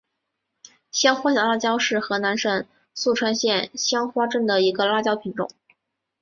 香花小辣椒是河南省淅川县香花镇的一个辣椒品种。